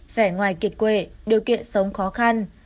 vẻ ngoài kiệt quệ điều kiện sống khó khăn